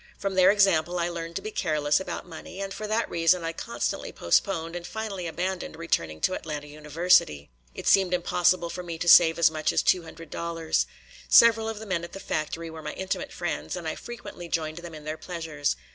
From their example I learned to be careless about money, and for that reason I constantly postponed and finally abandoned returning to Atlanta University. It seemed impossible for me to save as much as two hundred dollars. Several of the men at the factory were my intimate friends, and I frequently joined them in their pleasures.